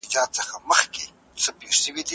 خپل هیواد ته بیرته راستون سه.